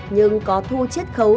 nhưng có thu chiết khấu